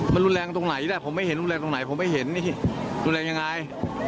มันรุนแรงตรงไหนล่ะผมไม่เห็นรุนแรงตรงไหนผมไม่เห็นนี่รุนแรงยังไง